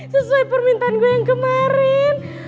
sesuai permintaan gue yang kemarin